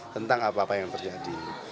tentang apa apa yang terjadi